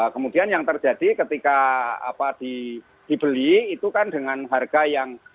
kemudian yang terjadi ketika dibeli itu kan dengan harga yang